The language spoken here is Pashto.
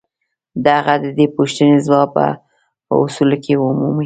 د هغه د دې پوښتنې ځواب به په اصولو کې ومومئ.